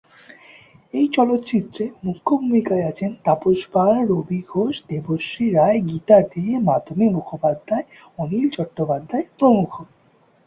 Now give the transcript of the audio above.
এই চলচ্চিত্রে মুখ্য ভূমিকায় আছেন তাপস পাল, রবি ঘোষ, দেবশ্রী রায়, গীতা দে, মাধবী মুখোপাধ্যায়, অনিল চট্টোপাধ্যায় প্রমুখ।